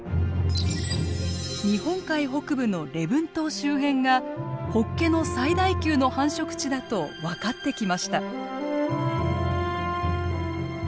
日本海北部の礼文島周辺がホッケの最大級の繁殖地だと分かってきました。